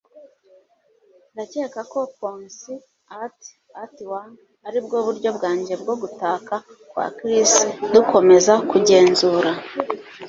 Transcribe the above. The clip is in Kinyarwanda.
Ndakeka ko poncy art art wank aribwo buryo bwanjye bwo gutaka kwa Chris '- dukomeza kugenzura.